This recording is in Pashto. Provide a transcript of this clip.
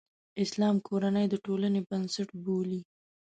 اسلام کورنۍ د ټولنې بنسټ بولي.